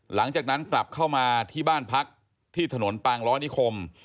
หลังจากนั้นกลับเข้ามาที่บ้านพักที่ถนนปางล้อนิคม